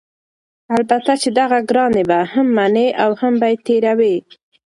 البته چې دغه ګرانی به هم مني او هم به یې تېروي؛